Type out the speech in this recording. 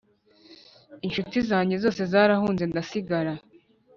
inshuti zanjye zose zarahunze ndasigara